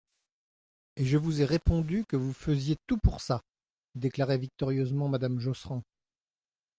Et je vous ai répondu que vous faisiez tout pour ça ! déclarait victorieusement madame Josserand.